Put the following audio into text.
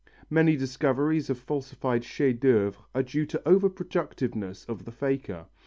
Many discoveries of falsified chefs d'œuvre are due to over productiveness of the faker.